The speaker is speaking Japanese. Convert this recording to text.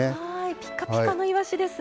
ぴかぴかのいわしですね。